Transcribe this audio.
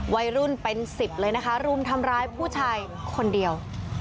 วัยรุ่นเป็นสิบเลยนะคะรุมทำร้ายผู้ชายคนเดียว